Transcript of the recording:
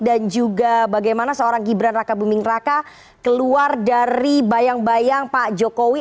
dan juga bagaimana seorang gibran raka buming raka keluar dari bayang bayang pak jokowi